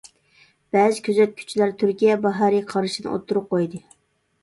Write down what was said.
بەزى كۆزەتكۈچىلەر «تۈركىيە باھارى» قارىشىنى ئوتتۇرىغا قويدى.